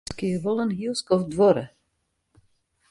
It hat diskear wol in hiel skoft duorre.